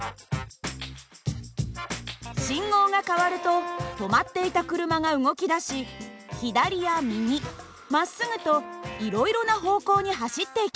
信号が変わると止まっていた車が動きだし左や右まっすぐといろいろな方向に走っていきます。